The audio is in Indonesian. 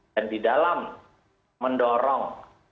dan di dalam mendorong